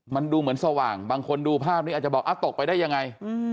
มันดูเหมือนสว่างบางคนดูภาพนี้อาจจะบอกตกไปได้ยังไง